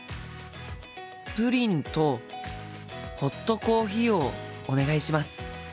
プリンとホットコーヒーをお願いします。